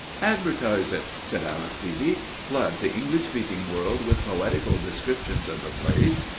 "Advertise it," said Aristide. "Flood the English speaking world with poetical descriptions of the place.